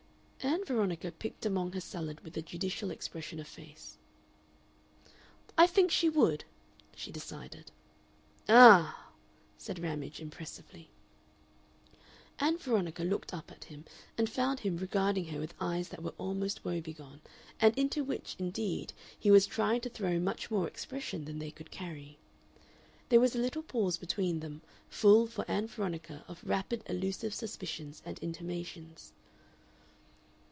Ann Veronica picked among her salad with a judicial expression of face. "I think she would," she decided. "Ah!" said Ramage, impressively. Ann Veronica looked up at him and found him regarding her with eyes that were almost woebegone, and into which, indeed, he was trying to throw much more expression than they could carry. There was a little pause between them, full for Ann Veronica of rapid elusive suspicions and intimations.